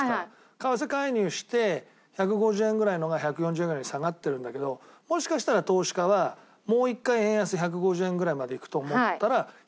為替介入して１５０円ぐらいのが１４０円ぐらいに下がってるんだけどもしかしたら投資家はもう一回円安１５０円ぐらいまでいくと思ったら。